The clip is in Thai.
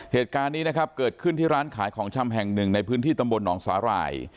เหตุการณ์นี้นะครับเกิดขึ้นที่ร้านขายของชำแห่งหนึ่งในพื้นที่ตำบลหนองสาหร่าย